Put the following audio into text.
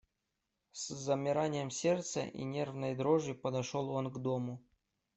С замиранием сердца и нервной дрожью подошел он к дому.